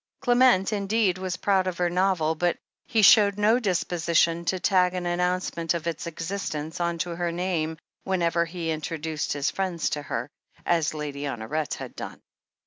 Clement, indeed, was proud of her novel, but he showed no disposition to tag an announcement of its existence on to her name whenever he introduced his friends to her, as Lady Honoret had done.